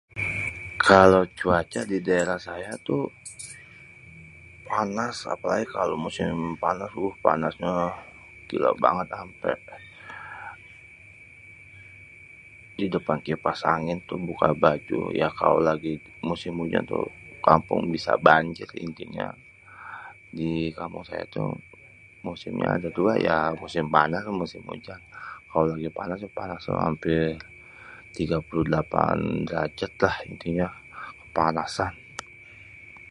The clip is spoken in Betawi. kalo cuaca di daerah saya tuh, panas apèlagi kalo musim panas, uhm panas nyê gila banget ampé di depan dikipas angin tuh buka baju ya kalo lagi musim hujan tuh di kampung tuh bisa banjir intinyê di kampung saya tuh musim nya ada dua ya musim panas sama musim penghujan, kalo lagi panas, panas ê ampé 38 derajat lah intinya ke panasan.